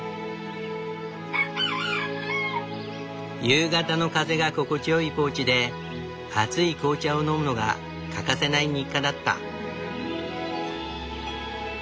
夕方の風が心地よいポーチで熱い紅茶を飲むのが欠かせない日課だった。